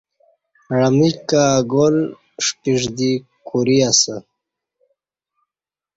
عمیک کں اگال ݜپِݜ دی کوری اسہ